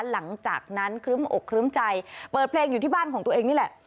หลังจากนั้นครึ้มอกครึ้มใจเปิดเพลงอยู่ที่บ้านของตัวเองนี่แหละ